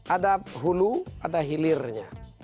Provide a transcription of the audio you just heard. ada hulu ada hilirnya